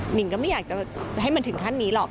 นิงก็ไม่อยากจะให้มันถึงขั้นนี้หรอก